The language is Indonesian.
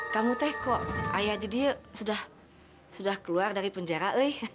kamu kok ayadzidi sudah keluar dari penjara